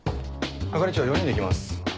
係長４人で行きます。